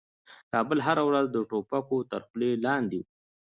کابل هره ورځ د توپکو تر خولې لاندې و.